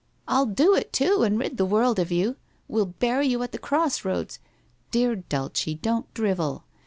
I'll do it too and rid the world of you. We'll bury you at the cross roads '' Dear Dulce, don't drivel.